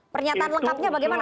pernyataan lengkapnya bagaimana